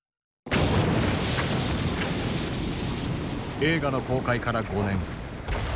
映画の公開から５年。